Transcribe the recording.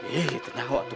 eh tenang waktu